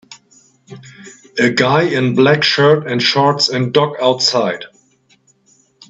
A guy in black shirt and shorts and dog outside.